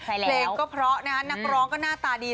เพลงก็เพราะนะฮะนักร้องก็หน้าตาดี